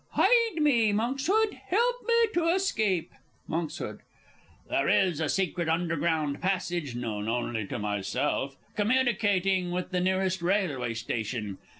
Hide me, Monkshood help me to escape! Monks. There is a secret underground passage, known only to myself, communicating with the nearest railway station.